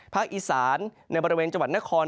พศอิสรในบริเวณจวรรภ์นคร